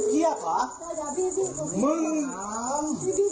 เธอตกใจมากโทรหาพ่อตามมาได้ทันเวลาพอดีเลย